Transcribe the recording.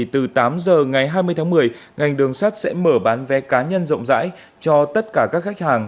từ tám giờ ngày hai mươi tháng một mươi ngành đường sắt sẽ mở bán vé cá nhân rộng rãi cho tất cả các khách hàng